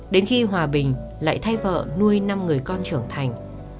đến khi hòa bình lại thay vợ nuôi năm người con trưởng thành